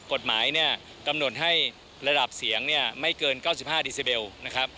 กฎหมายเนี่ยกำหนดให้ระดับเสียงเนี่ยไม่เกิน๙๕ดิซิเบลนะครับ